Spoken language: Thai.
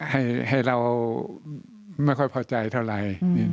ให้เราไม่ค่อยเผาใจเท่าไร